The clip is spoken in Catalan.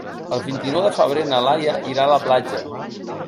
El vint-i-nou de febrer na Laia irà a la platja.